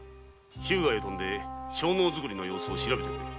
日向へ飛んで樟脳作りの様子を調べてくれ！